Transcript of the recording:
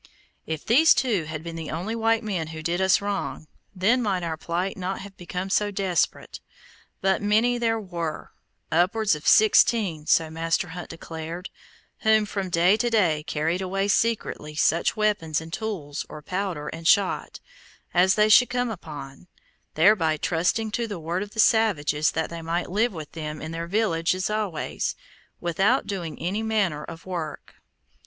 If these two had been the only white men who did us wrong, then might our plight not have become so desperate; but many there were, upwards of sixteen so Master Hunt declared, who from day to day carried away secretly such weapons and tools, or powder and shot, as they could come upon, thereby trusting to the word of the savages that they might live with them in their villages always, without doing any manner of work.